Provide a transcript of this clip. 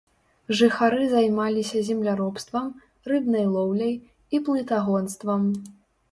Жыхары займаліся земляробствам, рыбнай лоўляй і плытагонствам.